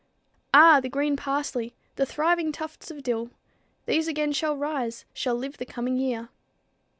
"Ah! the green parsley, the thriving tufts of dill; These again shall rise, shall live the coming year."